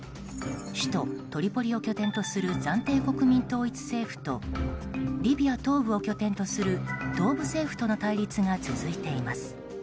首都トリポリを拠点とする暫定国民統一政府とリビア東部を拠点とする東部政府との対立が続いています。